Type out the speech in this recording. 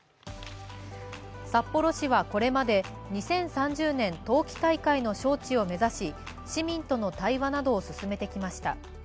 札幌市はこれまで２０３０年冬季大会の招致を目指し市民との対話などを進めてきました。